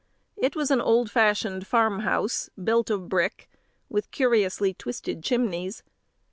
It was an old fashioned farm house, built of brick, with curiously twisted chimneys.